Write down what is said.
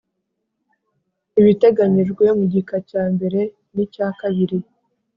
Ibiteganyijwe mu gika cya mbere n’icya kabiri